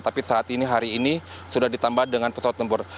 tapi saat ini hari ini sudah ditambah dengan pesawat tempur